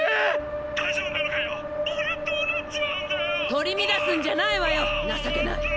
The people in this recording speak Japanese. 取り乱すんじゃないわよ情けない！